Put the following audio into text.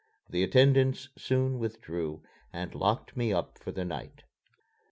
The attendants soon withdrew and locked me up for the night.